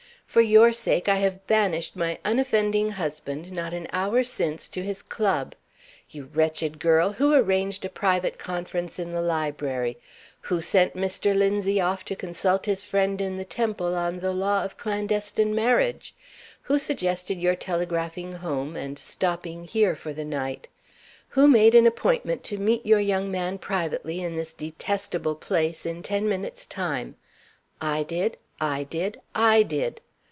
For your sake I have banished my unoffending husband, not an hour since, to his club. You wretched girl, who arranged a private conference in the library? Who sent Mr. Linzie off to consult his friend in the Temple on the law of clandestine marriage? Who suggested your telegraphing home, and stopping here for the night? Who made an appointment to meet your young man privately in this detestable place in ten minutes' time? I did! I did! I did!